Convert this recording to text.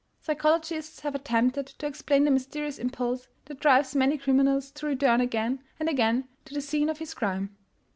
Psychologists have attempted to explain the mysterious impulse that drives many criminals to return again and again to the scene of his crime.